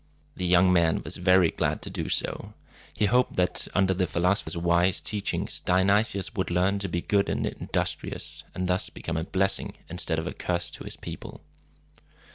The young man was very glad to do so. He hoped, that, under the philosopher's wise teachings, Dionysius would learn to be good and industrious, and thus become a blessing instead of a curse to his people.